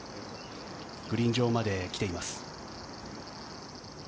グリーン上まで来ています。